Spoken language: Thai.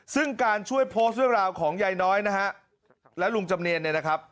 ซึ่งการช่วยโพสต์เรื่องราวของยายน้อยนะฮะและลุงจำเนียนเนี่ยนะครับ